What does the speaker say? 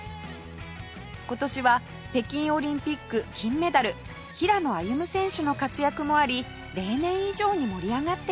今年は北京オリンピック金メダル平野歩夢選手の活躍もあり例年以上に盛り上がっています